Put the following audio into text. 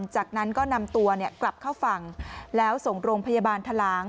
จากนั้นก็นำตัวกลับเข้าฝั่งแล้วส่งโรงพยาบาลทะลาง